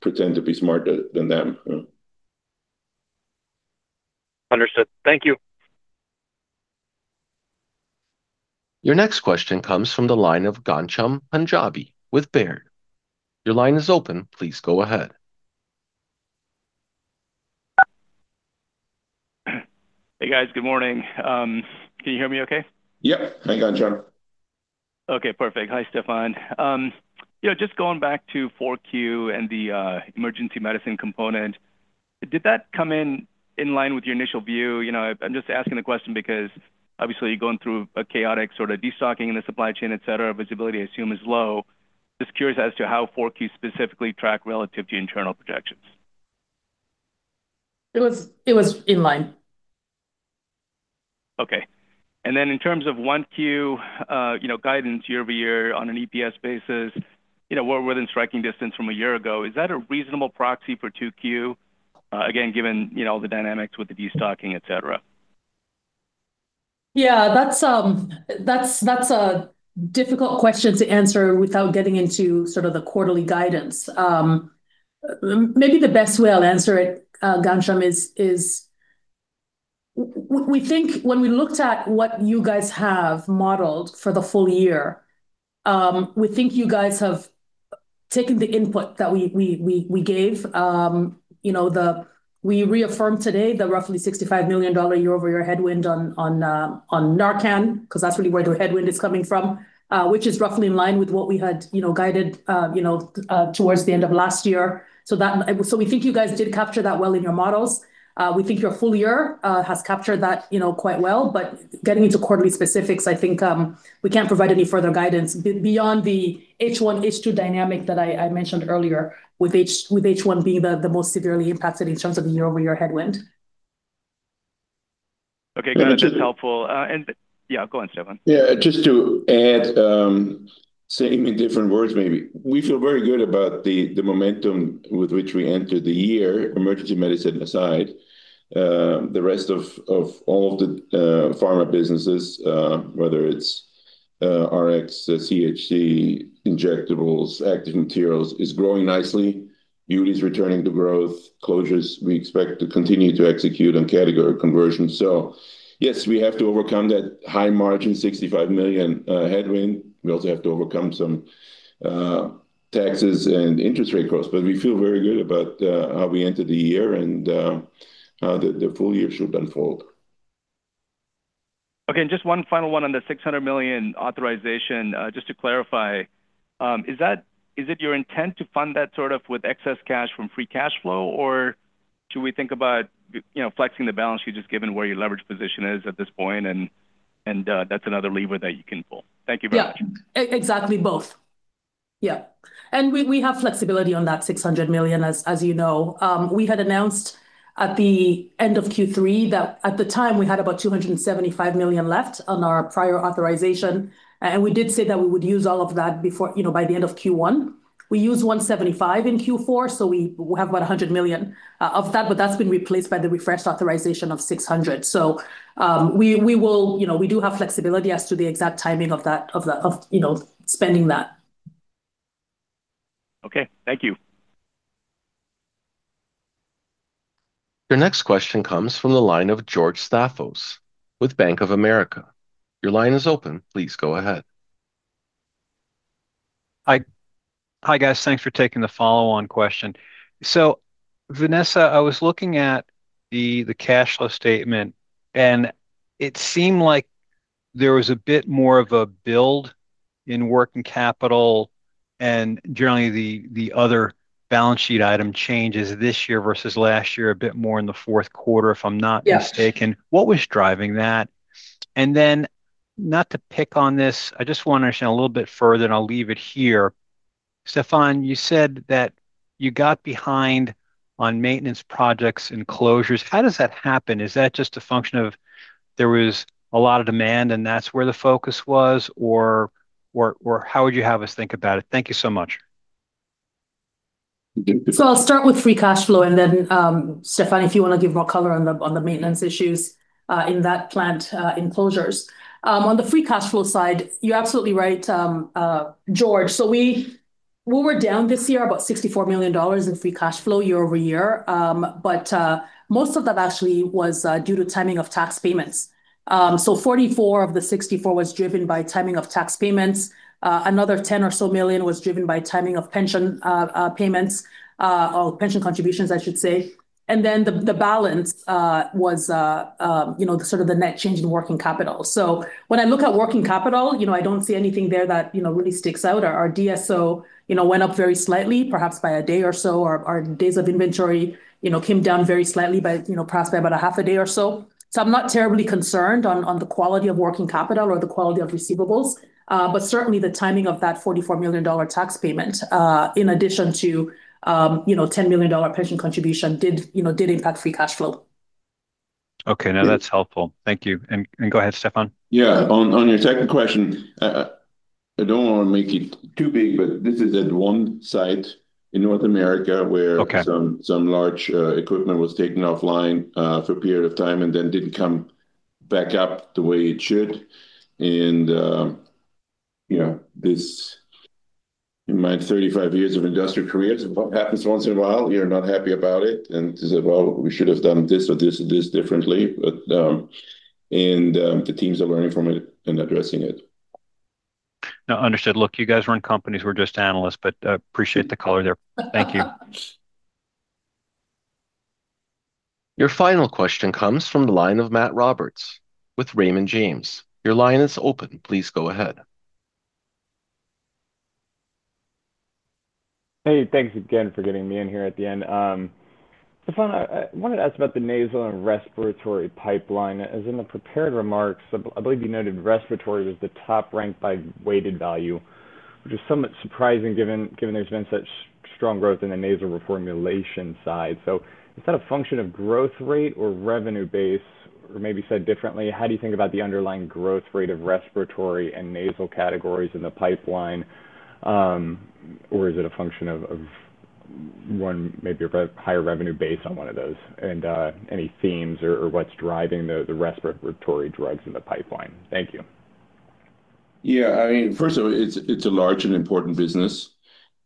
pretend to be smarter than them. Understood. Thank you. Your next question comes from the line of Ghansham Panjabi with Baird. Your line is open. Please go ahead. Hey, guys. Good morning. Can you hear me okay? Yep. Hi, Ghansham. Okay. Perfect. Hi, Stephan. Just going back to 4Q and the emergency medicine component, did that come in line with your initial view? I'm just asking the question because obviously, going through a chaotic sort of destocking in the supply chain, etc., visibility, I assume, is low. Just curious as to how 4Q specifically tracked relative to internal projections. It was in line. Okay. And then in terms of 1Q guidance year-over-year on an EPS basis, we're within striking distance from a year ago. Is that a reasonable proxy for 2Q, again, given all the dynamics with the destocking, etc.? Yeah. That's a difficult question to answer without getting into sort of the quarterly guidance. Maybe the best way I'll answer it, Ghansham, is we think when we looked at what you guys have modeled for the full-year, we think you guys have taken the input that we gave. We reaffirm today the roughly $65 million year-over-year headwind on Narcan because that's really where the headwind is coming from, which is roughly in line with what we had guided towards the end of last year. So we think you guys did capture that well in your models. We think your full year has captured that quite well. But getting into quarterly specifics, I think we can't provide any further guidance beyond the H1, H2 dynamic that I mentioned earlier, with H1 being the most severely impacted in terms of the year-over-year headwind. Okay. Got it. That's helpful. And yeah, go on, Stephan. Yeah. Just to add, saying it in different words maybe, we feel very good about the momentum with which we entered the year, emergency medicine aside. The rest of all of the pharma businesses, whether it's Rx, CHC, injectables, active materials, is growing nicely. Beauty is returning to growth. Closures, we expect to continue to execute on category conversion. So yes, we have to overcome that high-margin $65 million headwind. We also have to overcome some taxes and interest rate costs. But we feel very good about how we entered the year and how the full-year should unfold. Okay. And just one final one on the $600 million authorization, just to clarify, is it your intent to fund that sort of with excess cash from free cash flow, or should we think about flexing the balance sheet just given where your leverage position is at this point? And that's another lever that you can pull. Thank you very much. Yeah. Exactly both. Yeah. And we have flexibility on that $600 million, as you know. We had announced at the end of Q3 that at the time, we had about $275 million left on our prior authorization. And we did say that we would use all of that by the end of Q1. We used $175 million in Q4, so we have about $100 million of that, but that's been replaced by the refreshed authorization of $600 million. So we do have flexibility as to the exact timing of spending that. Okay. Thank you. Your next question comes from the line of George Staphos with Bank of America. Your line is open. Please go ahead. Hi, guys. Thanks for taking the follow-on question. So Vanessa, I was looking at the cash flow statement, and it seemed like there was a bit more of a build in working capital. Generally, the other balance sheet item changes this year versus last year, a bit more in the fourth quarter, if I'm not mistaken. What was driving that? And then not to pick on this, I just want to understand a little bit further, and I'll leave it here. Stephan, you said that you got behind on maintenance projects and closures. How does that happen? Is that just a function of there was a lot of demand, and that's where the focus was, or how would you have us think about it? Thank you so much. So I'll start with free cash flow, and then Stephan, if you want to give more color on the maintenance issues in that plant in closures. On the free cash flow side, you're absolutely right, George. So we were down this year about $64 million in free cash flow year-over-year. But most of that actually was due to timing of tax payments. So 44 of the 64 was driven by timing of tax payments. Another 10 or so million was driven by timing of pension payments or pension contributions, I should say. And then the balance was sort of the net change in working capital. So when I look at working capital, I don't see anything there that really sticks out. Our DSO went up very slightly, perhaps by a day or so. Our days of inventory came down very slightly, perhaps by about a half a day or so. So I'm not terribly concerned on the quality of working capital or the quality of receivables. But certainly, the timing of that $44 million tax payment, in addition to $10 million pension contribution, did impact free cash flow. Okay. Now, that's helpful. Thank you. And go ahead, Stephan. Yeah. On your second question, I don't want to make it too big, but this is at one site in North America where some large equipment was taken offline for a period of time and then didn't come back up the way it should. And in my 35 years of industrial careers, what happens once in a while? You're not happy about it. And they said, "Well, we should have done this or this or this differently." And the teams are learning from it and addressing it. No, understood. Look, you guys weren't companies. We're just analysts, but appreciate the color there. Thank you. Your final question comes from the line of Matt Roberts with Raymond James. Your line is open. Please go ahead. Hey, thanks again for getting me in here at the end. Stephan, I wanted to ask about the nasal and respiratory pipeline. As in the prepared remarks, I believe you noted respiratory was the top ranked by weighted value, which is somewhat surprising given there's been such strong growth in the nasal reformulation side. So is that a function of growth rate or revenue base? Or maybe said differently, how do you think about the underlying growth rate of respiratory and nasal categories in the pipeline, or is it a function of maybe a higher revenue base on one of those and any themes or what's driving the respiratory drugs in the pipeline? Thank you. Yeah. I mean, first of all, it's a large and important business.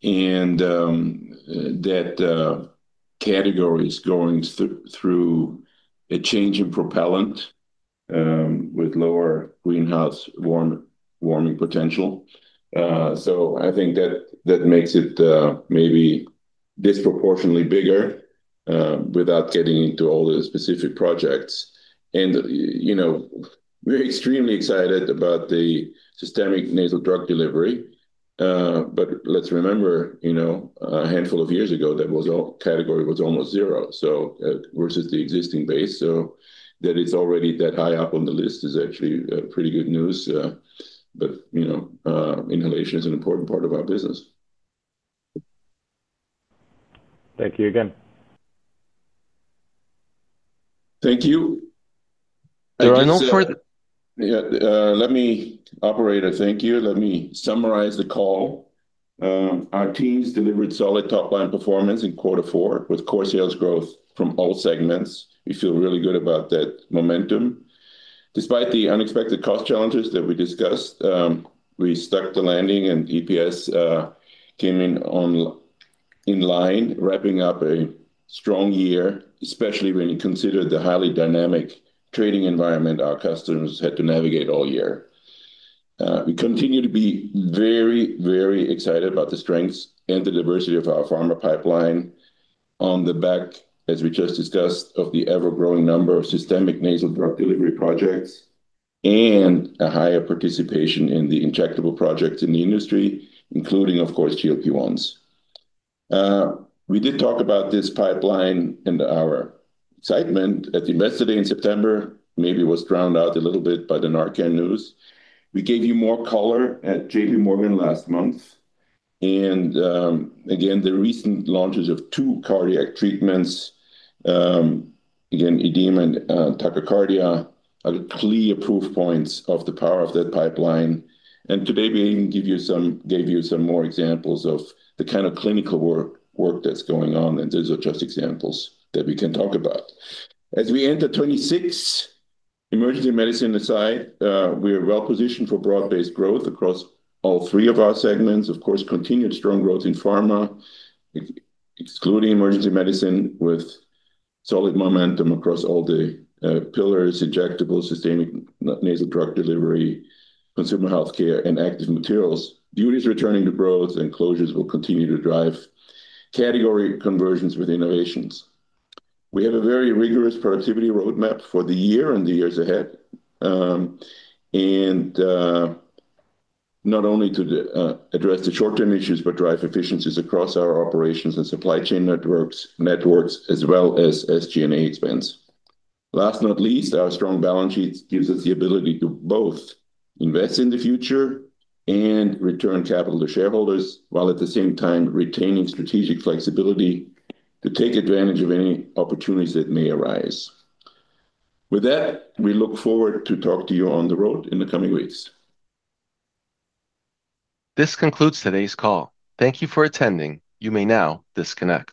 And that category is going through a change in propellant with lower greenhouse warming potential. So I think that makes it maybe disproportionately bigger without getting into all the specific projects. And we're extremely excited about the systemic nasal drug delivery. But let's remember, a handful of years ago, that category was almost zero versus the existing base. So that it's already that high up on the list is actually pretty good news. But inhalation is an important part of our business. Thank you again. Thank you. Yeah. Let me offer a thank you. Let me summarize the call. Our teams delivered solid top-line performance in quarter four with core sales growth from all segments. We feel really good about that momentum. Despite the unexpected cost challenges that we discussed, we stuck the landing, and EPS came in line, wrapping up a strong year, especially when you consider the highly dynamic trading environment our customers had to navigate all year. We continue to be very, very excited about the strengths and the diversity of our pharma pipeline on the back, as we just discussed, of the ever-growing number of systemic nasal drug delivery projects and a higher participation in the injectable projects in the industry, including, of course, GLP-1s. We did talk about this pipeline and our excitement at the investor day in September maybe was drowned out a little bit by the Narcan news. We gave you more color at JPMorgan last month. And again, the recent launches of two cardiac treatments, again, edema and tachycardia, are clear proof points of the power of that pipeline. And today, we even gave you some more examples of the kind of clinical work that's going on. And these are just examples that we can talk about. As we enter 2026, emergency medicine aside, we are well-positioned for broad-based growth across all 3 of our segments. Of course, continued strong growth in pharma, excluding emergency medicine, with solid momentum across all the pillars: injectables, systemic nasal drug delivery, consumer healthcare, and active materials. Beauty is returning to growth, and closures will continue to drive category conversions with innovations. We have a very rigorous productivity roadmap for the year and the years ahead, not only to address the short-term issues but drive efficiencies across our operations and supply chain networks as well as SG&A expense. Last but not least, our strong balance sheet gives us the ability to both invest in the future and return capital to shareholders while at the same time retaining strategic flexibility to take advantage of any opportunities that may arise. With that, we look forward to talking to you on the road in the coming weeks. This concludes today's call. Thank you for attending. You may now disconnect.